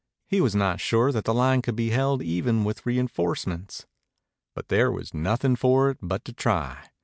He was not sure that the line could be held even with reinforcements. But there was nothing for it but to try.